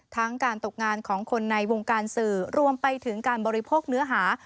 การตกงานของคนในวงการสื่อรวมไปถึงการบริโภคเนื้อหา